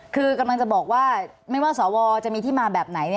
คือกำลังจะบอกว่าไม่ว่าสวจะมีที่มาแบบไหน